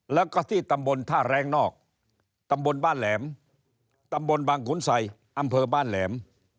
แล้วก็ที่ตำบลท่าแรงนอกตำบลบ้านแหลมตำบลบางขุนใส่อำเภอบ้านแหลม